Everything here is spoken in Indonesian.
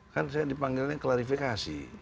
kan saya dipanggilnya klarifikasi